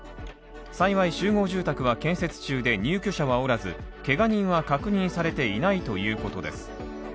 幸い、集合住宅は建設中で入居者はおらずけが人は確認されていないということです。